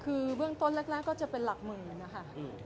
คือเบื้องต้นแรกก็จะเป็นหลักหมื่นนะคะ